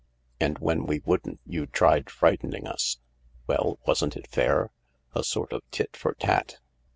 " And when we wouldn't you tried frightening us ?"" Well, wasn't it fair ? A sort of tit for tat